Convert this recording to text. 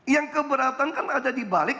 yang keberatan kan ada di balik